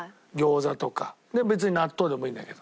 別に納豆でもいいんだけど。